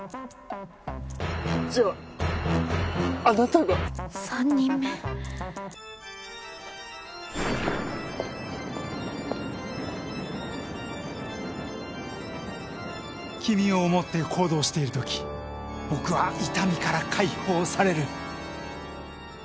『トッカータとフーガ』君を思って行動しているとき僕は痛みから解放される。